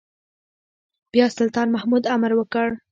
بيا سلطان محمود امر وکړ.